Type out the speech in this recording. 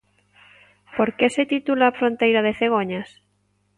Por que se titula Fronteira de cegoñas?